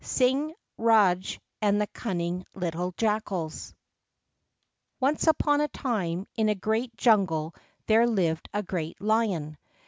Singh Rajah and the Cunning Little Jackals Once upon a time, in a great jungle, there lived a great lion.